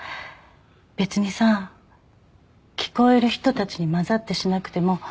別にさ聞こえる人たちに交ざってしなくても。